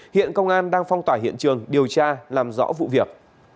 hiện công an đang phong tỏa hiện trường điều tra làm rõ vụ việc